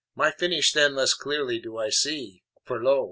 My finish then less clearly do I see, For lo!